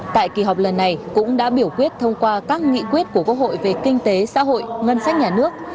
tại kỳ họp lần này cũng đã biểu quyết thông qua các nghị quyết của quốc hội về kinh tế xã hội ngân sách nhà nước